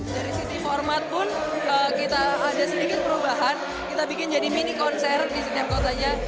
dari sisi format pun kita ada sedikit perubahan kita bikin jadi mini konser di setiap kotanya